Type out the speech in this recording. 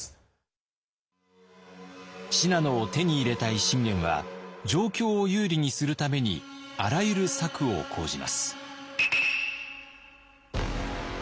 信濃を手に入れたい信玄は状況を有利にするためにあらゆる策を講じます。